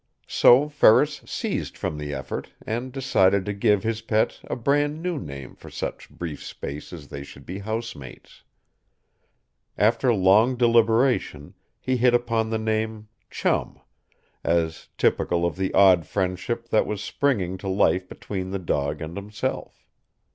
So Ferris ceased from the effort, and decided to give his pet a brand new name for such brief space as they should be housemates. After long deliberation he hit upon the name "Chum," as typical of the odd friendship that was springing to life between the dog and himself.